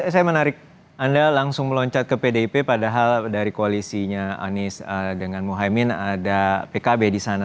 saya menarik anda langsung meloncat ke pdip padahal dari koalisinya anies dengan mohaimin ada pkb di sana